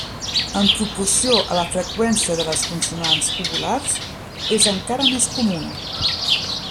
En proporció a la freqüència de les consonants uvulars, és encara més comuna.